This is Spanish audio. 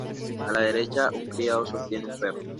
A la derecha un criado sostiene un perro.